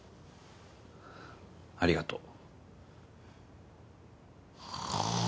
ありがとう。